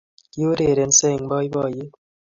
Kiurerenso eng boiboiyet